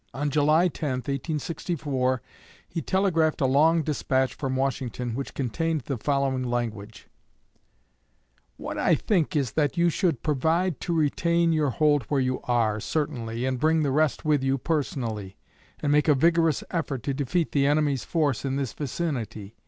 On July 10, 1864, he telegraphed a long despatch from Washington, which contained the following language: 'What I think is that you should provide to retain your hold where you are, certainly, and bring the rest with you personally, and make a vigorous effort to defeat the enemy's force in this vicinity.